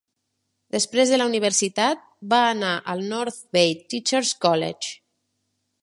Després de la universitat, va anar al North Bay Teacher's College.